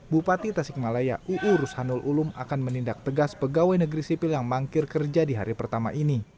bupati tasikmalaya uu rushanul ulum akan menindak tegas pegawai negeri sipil yang mangkir kerja di hari pertama ini